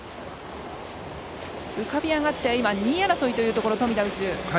浮かび上がって、今２位争いというところの富田宇宙。